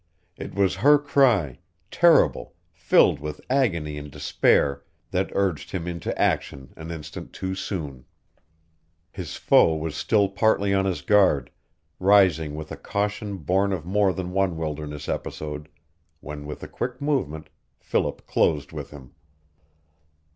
It was her cry, terrible, filled with agony and despair, that urged him into action an instant too soon. His foe was still partly on his guard, rising with a caution born of more than one wilderness episode, when with a quick movement Philip closed with him.